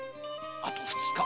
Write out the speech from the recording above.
あと二日。